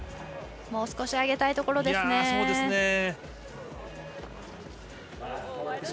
もう少し上げたいところですね。